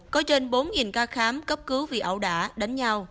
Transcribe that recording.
có trên bốn ca khám cấp cứu vì ẩu đả đánh nhau